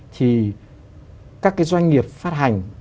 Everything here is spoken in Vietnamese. thì các cái doanh nghiệp phát hành